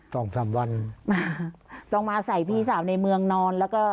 สองสามวันมาต้องมาใส่พี่สาวในเมืองนอนแล้วก็